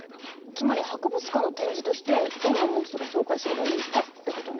つまり博物館の展示としてどんなモンストロを紹介すればいいかってことね。